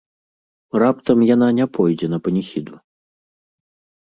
Раптам яна не пойдзе на паніхіду?